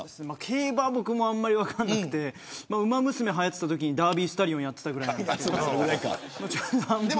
競馬僕もあまり分かんなくてウマ娘はやっていたときにダービースタリオンやっていたくらいで。